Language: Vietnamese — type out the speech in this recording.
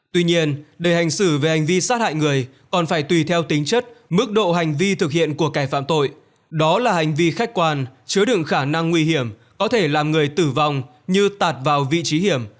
tuy nhiên để hành xử về hành vi sát hại người còn phải tùy theo tính chất mức độ hành vi thực hiện của kẻ phạm tội đó là hành vi khách quan chứa đựng khả năng nguy hiểm có thể làm người tử vong như tạt vào vị trí hiểm